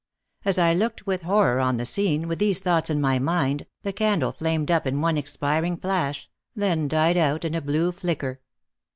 As I looked with horror on the scene, with these thoughts in my mind, the candle flamed up in one expiring flash, then died out in a blue flicker.